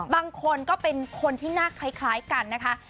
บางคนก็เป็นคนที่หน้าคล้ายกันนะคะ